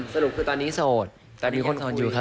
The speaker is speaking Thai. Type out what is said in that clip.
สรุปคือตอนนี้โสดแต่มีคนคุย